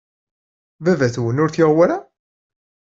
Baba-twen ur t-yuɣ wara?